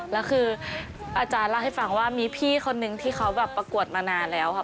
แล้วคืออาจารย์เล่าให้ฟังว่ามีพี่คนนึงที่เขาแบบประกวดมานานแล้วค่ะ